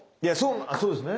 そうですね。